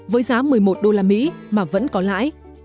với giá một mươi một usd mà vẫn có lãi